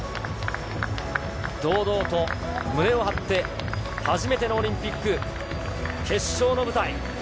堂々と胸を張って、初めてのオリンピック決勝の舞台。